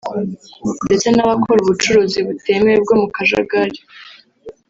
ndetse n’abakora ubucuruzi butemewe bwo mu kajagari